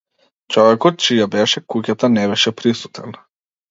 Човекот чија беше куќата не беше присутен.